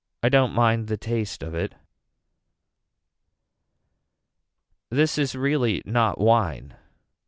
I don't mind the taste of it. This is really not wine.